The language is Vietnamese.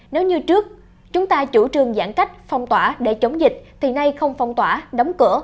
nếu như trước chúng ta chủ trương giãn cách phong tỏa để chống dịch thì nay không phong tỏa đóng cửa